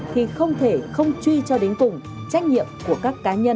thì không thể không truy cho đến cùng trách nhiệm của các cá nhân cơ quan liên quan